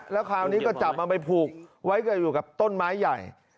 เทพานี้ก็จับเอาไปผูกเว้ยก็อยู่ใบยกต้นไม้ใหญ่